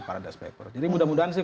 paradise papers jadi mudah mudahan sih